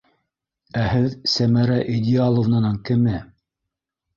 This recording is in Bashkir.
Ә һеҙ Сәмәрә Идеаловнаның кеме?